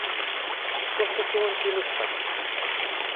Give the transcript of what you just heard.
Ttuɣ tasiwant-inu deg uṭaksi.